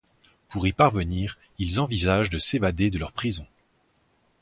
Pour y parvenir, ils envisagent de s'évader de leur prison.